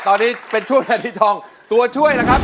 ตอนนี้เป็นช่วงเวลาที่ทองตัวช่วยนะครับ